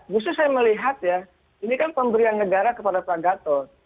justru saya melihat ya ini kan pemberian negara kepada pak gatot